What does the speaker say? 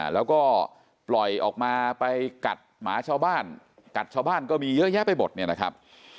แล้วก็ปล่อยออกมาไปกัดหมาชาวบ้านกัดชาวบ้านก็มีเยอะแยะไปหมดเนี่ยนะครับ